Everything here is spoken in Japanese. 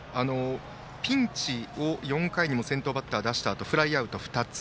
ピンチを４回にも先頭バッターを出したあとフライアウトが２つ。